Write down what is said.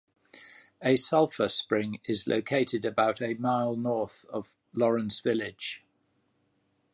A sulfur spring is located about a mile north of Laurens village.